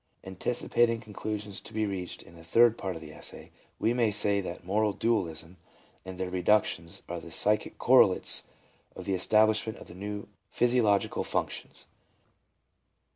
Anticipating conclusions to be reached in the third part of the essay, we may say that moral dualisms and their reduc tions are the psychic correlates of the establishment of new physiological functions.